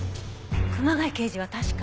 熊谷刑事は確か。